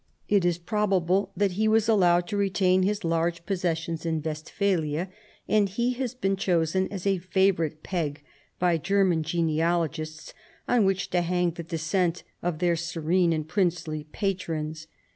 It is probable that be was allowed to retain his large possessions in Westphalia, and he has been chosen as a favorite peg by German genealogists on which to hang the descent of their Serene and Princely patrons.